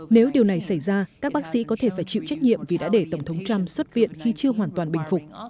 nếu điều này xảy ra các bác sĩ có thể phải chịu trách nhiệm vì đã để tổng thống trump xuất viện khi chưa hoàn toàn bình phục